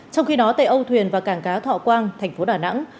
trong khi đó tại âu thuyền và cảng cá thọ quang thành phố đà nẵng